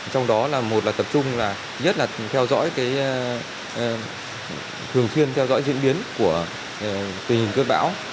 trong đó là một là tập trung là nhất là theo dõi cái thường thuyên theo dõi diễn biến của tình hình cướp bão